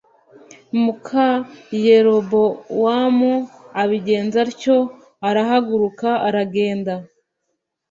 muka yerobowamu abigenza atyo arahaguruka aragenda